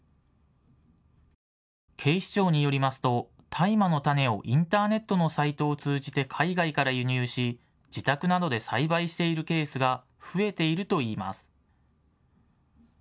警視庁によりますと大麻の種をインターネットのサイトを通じて海外から輸入し、自宅などで栽培しているケースが増えているといいます。